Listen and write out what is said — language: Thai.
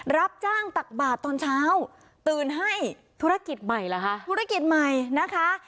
รับจ้างตักบาทตอนเช้าตื่นให้ธุรกิจใหม่เหรอคะธุรกิจใหม่นะคะ